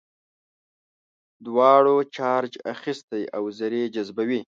دواړو چارج اخیستی او ذرې جذبوي.